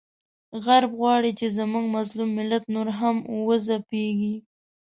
غرب غواړي چې زموږ مظلوم ملت نور هم وځپیږي،